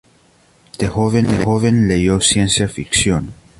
Desde joven leyó ciencia ficción.